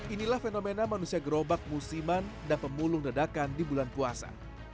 inilah fenomena manusia gerobak musiman dan pemulung dadakan di bulan puasa